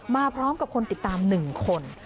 มาพร้อมกับคนติดตาม๑คน